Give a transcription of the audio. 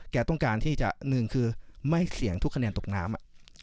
แกต้องการที่จะหนึ่งคือไม่เสี่ยงทุกคะแนนตกน้ำ